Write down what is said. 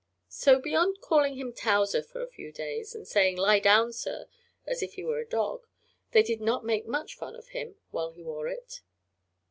So, beyond calling him "Towser" for a few days, and saying "Lie down, sir!" as if he were a dog, they did not make much fun of him while he wore it.